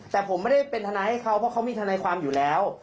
แต่ผมไม่ได้เป็นทนายให้เขาเพราะเขามีทนายความอยู่แล้ว